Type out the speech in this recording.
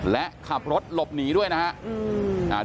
และขับรถหลบหนีด้วยนะครับ